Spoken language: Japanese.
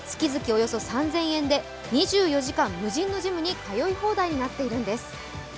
およそ３０００円で２４時間無人のジムに通い放題になっているんです。